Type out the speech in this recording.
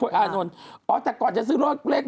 พลุ่มแม่ซื้อฤทธิ์รถใหม่หรือเปล่า